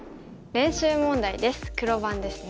黒番ですね。